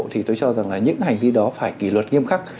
thì tôi cho rằng là những hành vi đó phải kỷ luật nghiêm khắc